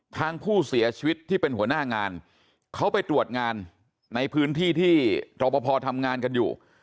ทางผู้เสียชีวิตที่เป็นหัวหน้างานเขาไปตรวจงานในพื้นที่ที่รอปภทำงานกันอยู่